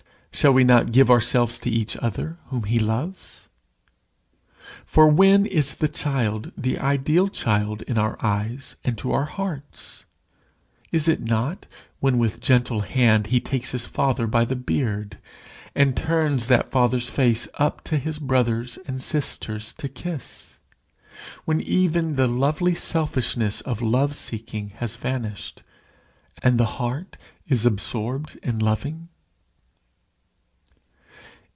Shall we not give ourselves to each other whom he loves? For when is the child the ideal child in our eyes and to our hearts? Is it not when with gentle hand he takes his father by the beard, and turns that father's face up to his brothers and sisters to kiss? when even the lovely selfishness of love seeking has vanished, and the heart is absorbed in loving?